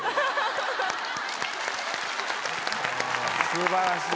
素晴らしい。